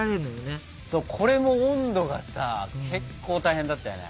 これも温度がさ結構大変だったよね。